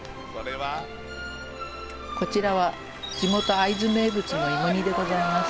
こちらは地元・会津名物の芋煮でございます